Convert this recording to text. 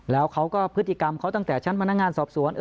แล้วเขาก็พฤติกรรมเขาตั้งแต่ชั้นพนักงานสอบสวน